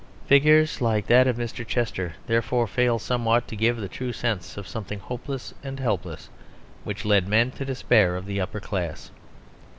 Figures like that of Mr. Chester, therefore, fail somewhat to give the true sense of something hopeless and helpless which led men to despair of the upper class.